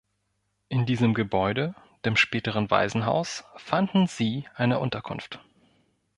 In diesem Gebäude, dem späteren Waisenhaus, fanden sie eine Unterkunft.